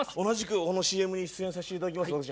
同じくこのＣＭに出演させていただきます